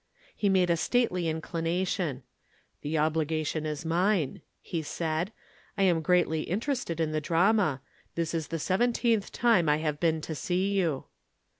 He made a stately inclination. "The obligation is mine," he said. "I am greatly interested in the drama. This is the seventeenth time I have been to see you."